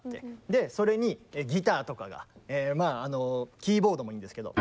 でそれにギターとかがまああのキーボードもいいんですけど。